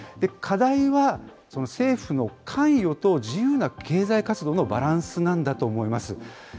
課題は、政府の関与と自由な経済活動のバランスなんだと思います。